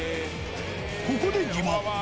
ここで疑問。